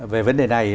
về vấn đề này